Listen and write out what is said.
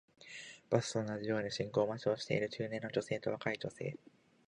バスと同じように信号待ちをしている中年の女性と若い女性